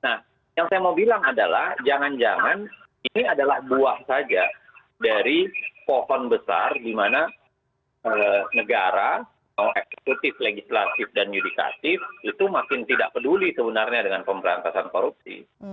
nah yang saya mau bilang adalah jangan jangan ini adalah buah saja dari pohon besar di mana negara eksekutif legislatif dan yudikatif itu makin tidak peduli sebenarnya dengan pemberantasan korupsi